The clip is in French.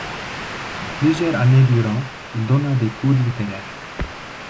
Plusieurs années durant, il donna des cours littéraires.